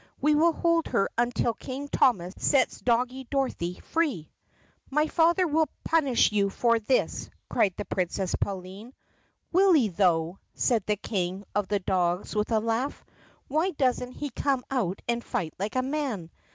We will hold her until King Thomas sets Doggie Dorothy free." "My father will punish you for this!" cried the Princess Pauline. "Will he, though?" said the King of the dogs with a laugh. "Why doesn't he come out and fight like a man?